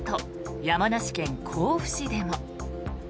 山梨県甲府市でも。